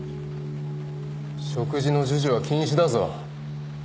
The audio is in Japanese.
食事の授受は禁止だぞ。